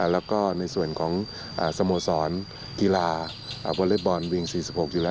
แล้วก็ในส่วนของสโมสรกีฬาวอเล็กบอลวิง๔๖อยู่แล้ว